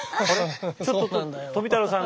ちょっと富太郎さん